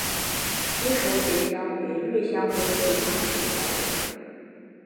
西畴结香为瑞香科结香属下的一个种。